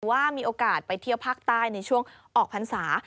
ว่ามีโอกาสไปเที่ยวภาคใต้ในช่วงออกพรรษา